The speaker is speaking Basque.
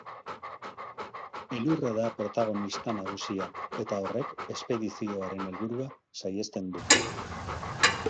Elurra da protagonista nagusia eta horrek espedizioaren helburua saihesten du.